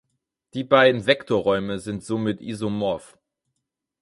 Die beiden Vektorräume sind somit isomorph.